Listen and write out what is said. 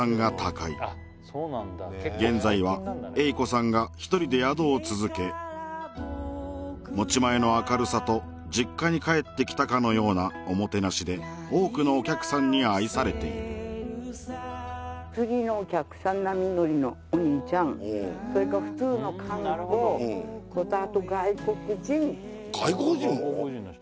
現在は栄子さんが１人で宿を続け持ち前の明るさと実家に帰ってきたかのようなおもてなしで多くのお客さんに愛されているそれとあと外国人外国人も？